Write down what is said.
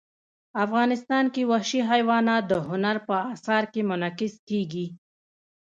افغانستان کې وحشي حیوانات د هنر په اثار کې منعکس کېږي.